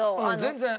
全然。